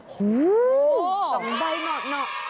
โอ้โฮส่องใบหนอก